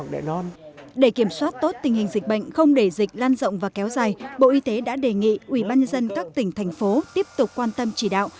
để kiểm soát tốt tình hình dịch bệnh không để dịch lan rộng và kéo dài bộ y tế đã đề nghị ubnd các tỉnh thành phố tiếp tục quan tâm chỉ đạo